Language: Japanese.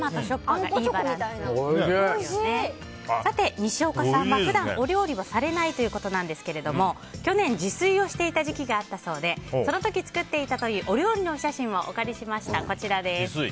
西岡さんは普段、お料理はされないということなんですが去年、自炊をしていた時期があったそうでその時作っていたというお料理の写真をお借りしました。